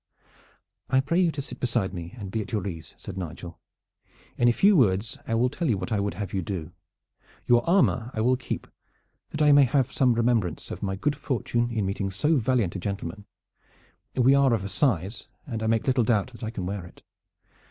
"I pray you to sit beside me and be at your ease," said Nigel. "In a few words I will tell you what I would have you do. Your armor I will keep, that I may have some remembrance of my good fortune in meeting so valiant a gentleman. We are of a size, and I make little doubt that I can wear it.